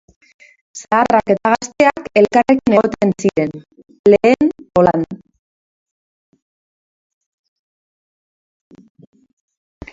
Zaharrak eta gazteak elkarrekin egoten ziren, lehen, olan.